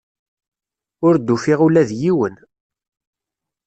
Ur d-ufiɣ ula d yiwen.